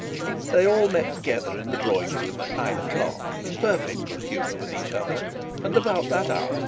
They all met together in the drawing room at nine o'clock, in perfect good humour with each other; and about that hour Mrs Bold was announced.